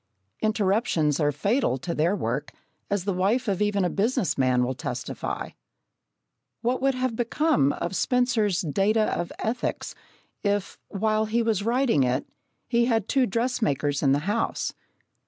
Interruptions are fatal to their work, as the wife of even a business man will testify. What would have become of Spencer's Data of Ethics if, while he was writing it, he had two dressmakers in the house?